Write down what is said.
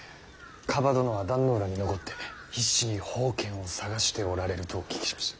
蒲殿は壇ノ浦に残って必死に宝剣を捜しておられるとお聞きしました。